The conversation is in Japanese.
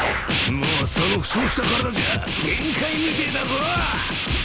もうその負傷した体じゃ限界みてえだぞ？